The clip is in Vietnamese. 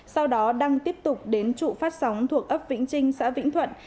sau đó đăng tiếp tục đến trụ phát sóng thuộc ấp vĩnh trinh xã vĩnh thuận